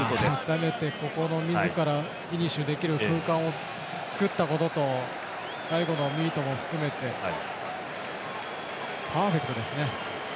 みずからフィニッシュできる空間を作ったことと最後のミートも含めてパーフェクトですね。